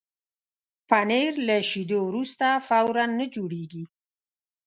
پنېر له شیدو وروسته فوراً نه جوړېږي.